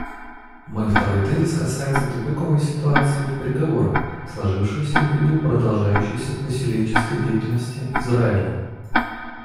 Мой второй тезис касается тупиковой ситуации в переговорах, сложившейся ввиду продолжающейся поселенческой деятельности Израиля.